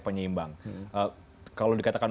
penyeimbang kalau dikatakan